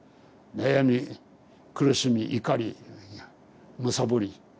悩み苦しみいかりむさぼり。